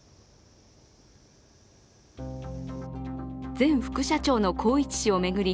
前副社長の宏一氏を巡り